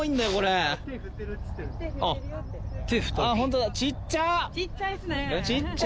ホントだちっちゃ！